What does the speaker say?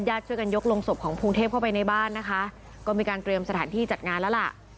ช่วยกันยกลงศพของพงเทพเข้าไปในบ้านนะคะก็มีการเตรียมสถานที่จัดงานแล้วล่ะ